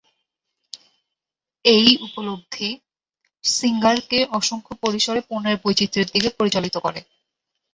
এই উপলব্ধি সিঙ্গার কে অসংখ্য পরিসরে পণ্যের বৈচিত্র্যের দিকে পরিচালিত করে।